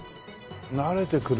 慣れてくるんだ。